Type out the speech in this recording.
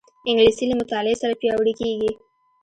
انګلیسي له مطالعې سره پیاوړې کېږي